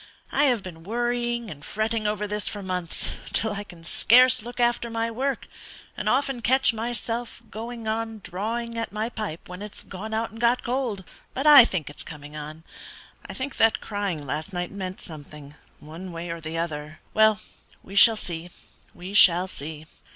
I have been worrying and fretting over this for months, till I can scarce look after my work, and often catch myself going on drawing at my pipe when it's gone out and got cold. But I think it's coming on; I think that crying last night meant something, one way or the other. Well, we shall see; we shall see.